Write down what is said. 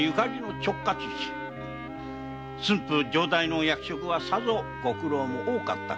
駿府城代の役職はさぞご苦労も多かったこととか。